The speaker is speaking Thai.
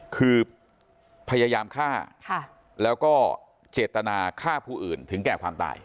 คือพยายามฆ่าแล้วก็เจตนาฆ่าผู้อื่นถึงแก่ความตาย